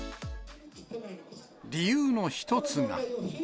理由の一つが。